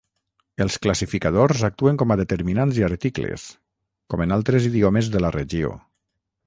Els classificadors actuen com a determinants i articles, com en altres idiomes de la regió.